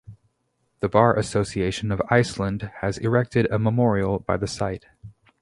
The bar association of Iceland has erected a memorial by the site.